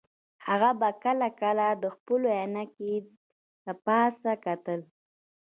هغه به کله کله د خپلو عینکې د پاسه کتل